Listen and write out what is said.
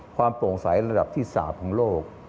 ความโปร่งใสลำดับที่๓ของโลก